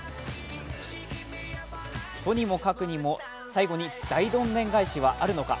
とにもかくにも最後に大どんでん返しはあるのか？